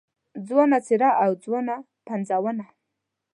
ځوانه څېره او ځوانه پنځونه